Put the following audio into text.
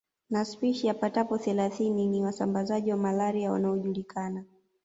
Na spishi yapata thelathini ni wasambazaji wa malaria wanaojulikana